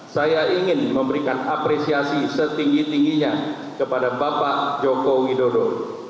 saya ingin memberikan apresiasi setinggi tingginya kepada bapak joko widodo